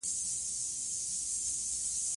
هغه د دوستانه اړیکو د ټینګښت غوښتنه وکړه.